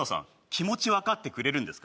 気持ち分かってくれるんですか？